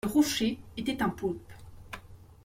Le rocher était un poulpe.